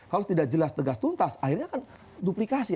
kalau tidak jelas tegas tuntas akhirnya kan duplikasi